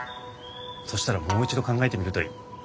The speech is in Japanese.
そしたらもう一度考えてみるといい。